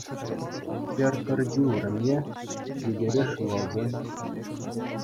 Хӗр пӗрчи вырӑнне — йӗкӗреш ывӑлсем